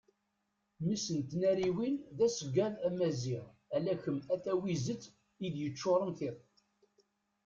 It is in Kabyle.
mmi-s n tnariwin d aseggad amaziɣ ala kem a tawizet i d-yeččuren tiṭ